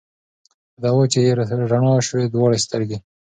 په دوا چي یې رڼا سوې دواړي سترګي